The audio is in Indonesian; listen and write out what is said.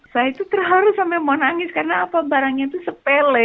saya itu terharu sampai mau nangis karena apa barangnya itu sepele